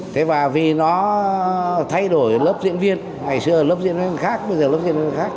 thế và vì nó thay đổi lớp diễn viên ngày xưa ở lớp diễn viên khác bây giờ lớp diễn khác